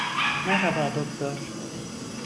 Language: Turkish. Merhaba doktor.